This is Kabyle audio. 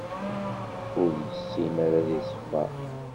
Ur yessin ara ad iṣeffer.